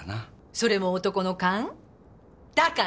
それも男の勘？だから？